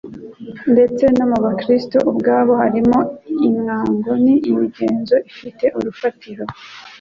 Ndetse no mu bakristo ubwabo, hariho imuango n'imigenzo ifite urufatiro